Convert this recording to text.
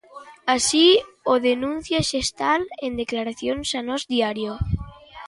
Así o denuncia Xestal en declaracións a Nós Diario.